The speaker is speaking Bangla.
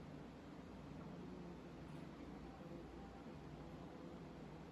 সামনের ইনচন এশিয়ান গেমসে তাঁরই কোচ থাকার সম্ভাবনা বলে জানা গেছে।